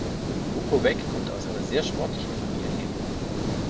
Bukovec kommt aus einer sehr sportlichen Familie.